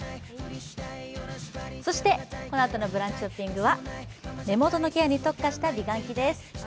そして、このあとのブランチショッピングは目元のケアに特化した商品です。